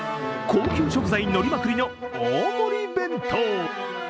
高級食材のりまくりの大盛り弁当。